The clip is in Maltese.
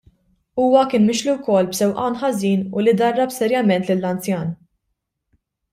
Huwa kien mixli wkoll b'sewqan ħażin u li darab serjament lill-anzjan.